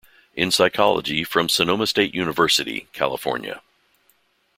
in Psychology from Sonoma State University, California.